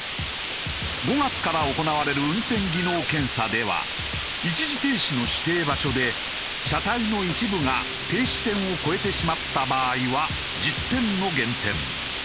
５月から行われる運転技能検査では一時停止の指定場所で車体の一部が停止線を超えてしまった場合は１０点の減点。